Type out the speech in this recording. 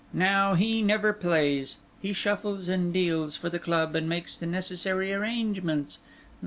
Now he never plays. He shuffles and deals for the club, and makes the necessary arrangements.